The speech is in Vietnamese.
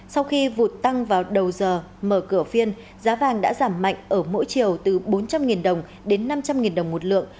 sau khi vụt tăng vào đầu giờ mở cửa phiên giá vàng đã giảm mạnh ở mỗi chiều từ bốn trăm linh đồng đến năm trăm linh đồng một lượng